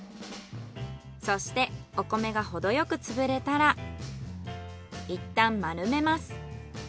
そしてお米がほどよく潰れたらいったん丸めます。